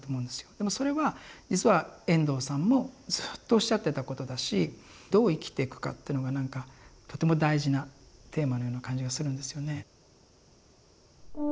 でもそれは実は遠藤さんもずっとおっしゃってたことだしどう生きてくかっていうのが何かとても大事なテーマのような感じがするんですよね。